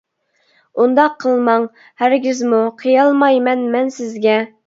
ئۇنداق قىلماڭ ھەرگىزمۇ، قىيالمايمەن مەن سىزگە!